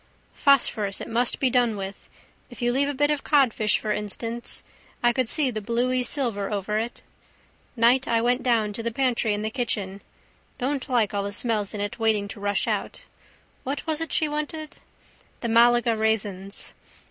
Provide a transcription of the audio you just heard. Phosphorus it must be done with. If you leave a bit of codfish for instance. I could see the bluey silver over it. Night I went down to the pantry in the kitchen. Don't like all the smells in it waiting to rush out. What was it she wanted? The Malaga raisins.